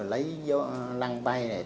lấy lăng tay